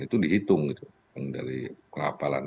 itu dihitung gitu dari pengapalan